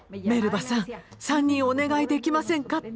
「メルバさん３人お願いできませんか？」